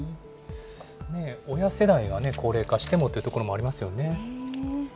親世代は高齢化してもというところもありますよね。